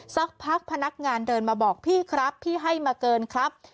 สักพักพนักงานเดินมาบอกพี่ครับพี่ให้มาเกินครับ